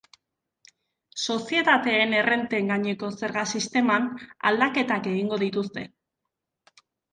Sozietateen errenten gaineko zerga sisteman aldaketak egingo dituzte.